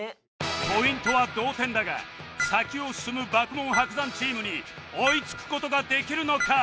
ポイントは同点だが先を進む爆問・伯山チームに追いつく事ができるのか？